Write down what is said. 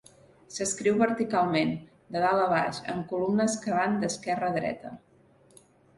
S'escriu verticalment, de dalt a baix, en columnes que van d'esquerra a dreta.